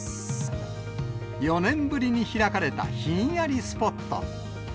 ４年ぶりに開かれたひんやりスポット。